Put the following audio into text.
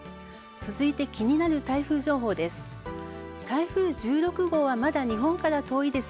続いて、気になる台風情報です。